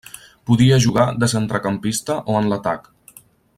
Podia jugar de centrecampista o en l'atac.